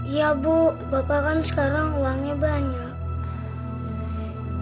iya bu bapak kan sekarang uangnya banyak